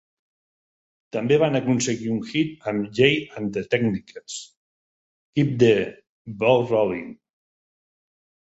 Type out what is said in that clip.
També van aconseguir un hit amb Jay and the Techniques' "Keep the Ball Rollin'".